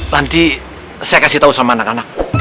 nanti saya kasih tahu sama anak anak